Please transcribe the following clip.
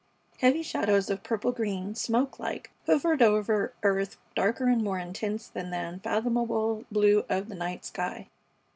Heavy shadows of purple green, smoke like, hovered over earth darker and more intense than the unfathomable blue of the night sky.